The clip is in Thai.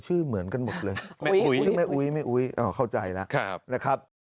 ชื่อเหมือนกันหมดเลยไม่อุ้ยไม่อุ้ยอ๋อเข้าใจแล้วครับนะครับ